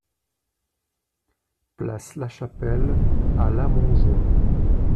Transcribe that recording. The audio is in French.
Place Lachapelle à Lamontjoie